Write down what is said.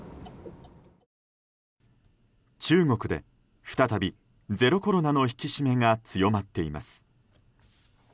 中国で再び、ゼロコロナの引き締めが強まっています。